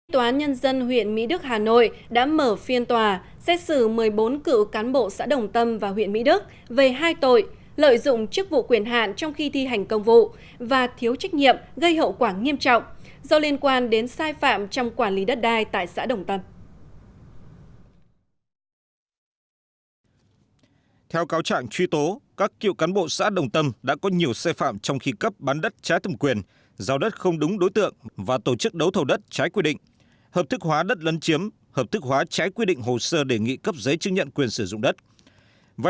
tòa nhân dân huyện mỹ đức hà nội đã mở phiên tòa xét xử một mươi bốn cựu cán bộ xã đồng tâm và huyện mỹ đức về hai tội lợi dụng chức vụ quyền hạn trong khi thi hành công vụ và thiếu trách nhiệm gây hậu quả nghiêm trọng do liên quan đến sai phạm trong quản lý đất đai tại xã đồng tâm